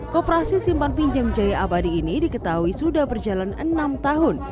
koperasi simpan pinjam jaya abadi ini diketahui sudah berjalan enam tahun